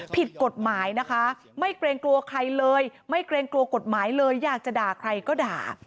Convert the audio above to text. ผิดกฎหมายนะคะไม่เกรงกลัวใครเลยไม่เกรงกลัวกฎหมายเลยอยากจะด่าใครก็ด่า